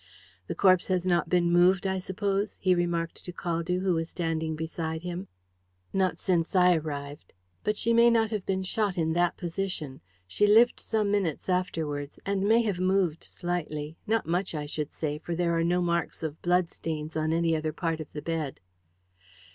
"The corpse has not been moved, I suppose?" he remarked to Caldew, who was standing beside him. "Not since I arrived. But she may not have been shot in that position. She lived some minutes afterwards, and may have moved slightly not much, I should say, for there are no marks of bloodstains on any other part of the bed."